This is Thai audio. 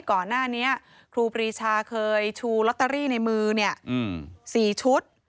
ก่อนหน้านี้ครูปรีชาเคยชูลอตเตอรี่ในมือ๔ชุด